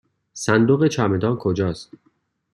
صندوق چمدان کجاست؟